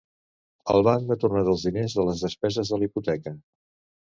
El banc m'ha tornat els diners de les despeses de la hipoteca